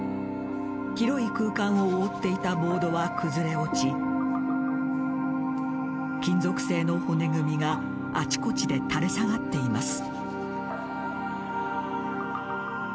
広い空間を覆っていたボードは崩れ落ち金属製の骨組みがあちこちで垂れ下がっています。